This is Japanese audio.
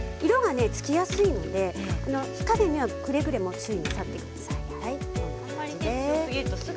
色がつきやすいので火加減にはくれぐれも注意なさってください。